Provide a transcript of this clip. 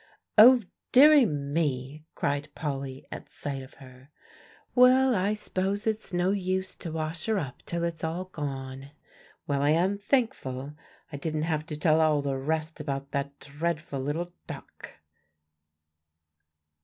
"Oh, deary me!" cried Polly at sight of her. "Well, I s'pose it's no use to wash her up till it's all gone. Well, I am thankful I didn't have to tell all the rest about that dreadful little duck."